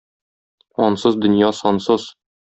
Ансыз дөнья сансыз.